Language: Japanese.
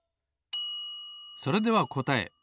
それではこたえ。